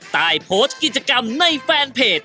ใต้โพสต์กิจกรรมในแฟนเพจ